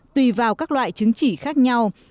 tùy vào các loại chứng chỉ khác nhau